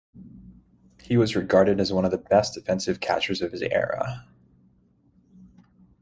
He was regarded as one of the best defensive catchers of his era.